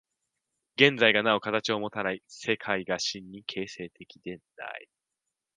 現在がなお形をもたない、世界が真に形成的でない。